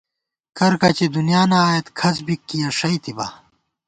کرکچی دُنیانہ آئیېت، کھڅ بی کِیَہ ݭئیتِبا